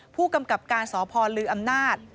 ผู้กำกับการสพลืออำนาจ